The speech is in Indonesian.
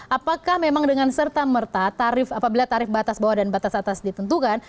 apakah memang dengan serta merta apabila tarif batas bawah dan batas atas ditentukan